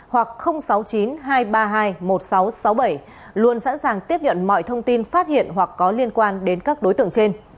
hoặc sáu mươi chín hai trăm ba mươi hai một nghìn sáu trăm sáu mươi bảy luôn sẵn sàng tiếp nhận mọi thông tin phát hiện hoặc có liên quan đến các đối tượng trên